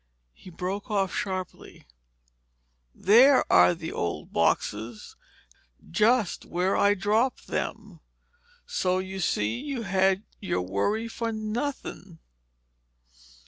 He broke off sharply. "There are the old boxes—just where I dropped them—so you see you've had your worry for nothing."